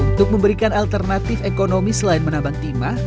untuk memberikan alternatif ekonomi selain menabang timah